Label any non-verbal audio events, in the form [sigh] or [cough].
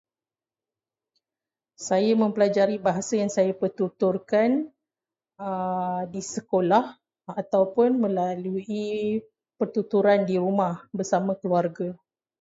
Saya mempelajari bahasa yang saya pertuturkan [hesitation] di sekolah ataupun melalui pertuturan di rumah bersama keluarga.